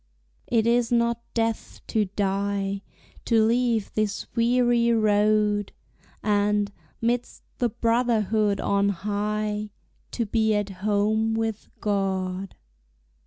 It is not death to die, To leave this weary road, And, midst the brotherhood on high, To be at home with God.